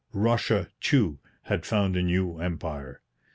Russia, too, had found a new empire.